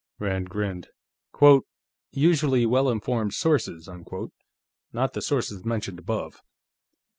Rand grinned. "Quote, usually well informed sources, unquote. Not the sources mentioned above."